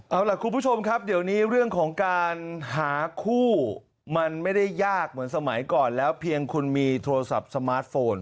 เอาล่ะคุณผู้ชมครับเดี๋ยวนี้เรื่องของการหาคู่มันไม่ได้ยากเหมือนสมัยก่อนแล้วเพียงคุณมีโทรศัพท์สมาร์ทโฟน